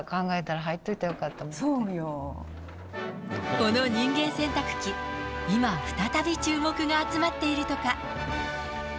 この人間洗濯機、今再び注目が集まっているとか。